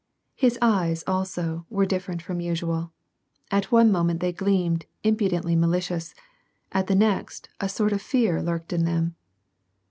His eyes, also, were different from usual; at one moment they gleamed impudently malicious ; at the next^ a sort of fear lurked in them.